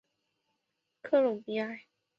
科隆比埃。